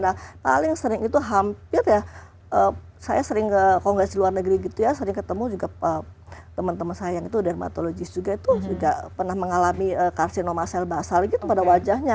nah paling sering itu hampir ya saya sering kalau nggak di luar negeri gitu ya sering ketemu juga teman teman saya yang itu dermatologis juga itu juga pernah mengalami karsinoma sel basal gitu pada wajahnya